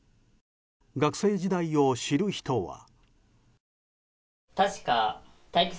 学生時代を知る人は。